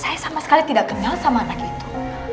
saya sama sekali tidak kenal sama anak itu